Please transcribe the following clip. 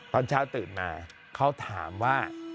ตอนเช้าตื่นมาเขาถามว่า